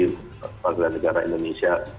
kepada negara indonesia